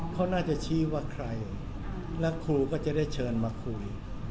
เขาน่าจะชี้ว่าใครและครูก็จะได้เชิญมาคุย